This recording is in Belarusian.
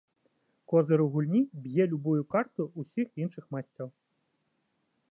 Козыр у гульні б'е любую карту ўсіх іншых масцяў.